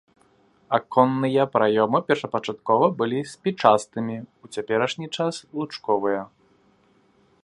Аконныя праёмы першапачаткова былі спічастымі, у цяперашні час лучковыя.